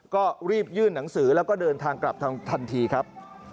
ก็รีบยื่นหนังสือแล้วก็เดินทางกลับทันทีครับ